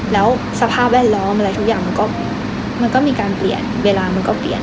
แล้วสภาพแวดล้อมอะไรทุกอย่างมันก็มีการเปลี่ยนเวลามันก็เปลี่ยน